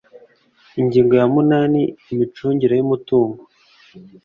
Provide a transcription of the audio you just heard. ingingo ya munani imicungire y’umutungo